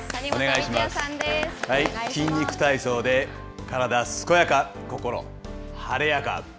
筋肉体操で、体健やか、心晴れやか。